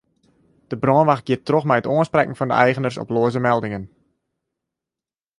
De brânwacht giet troch mei it oansprekken fan de eigeners op loaze meldingen.